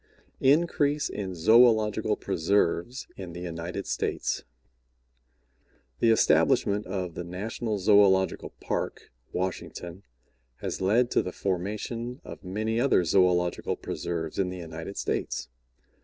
INCREASE IN ZOOLOGICAL PRESERVES IN THE UNITED STATES The establishment of the National Zoological Park, Washington, has led to the formation of many other zoological preserves in the United States.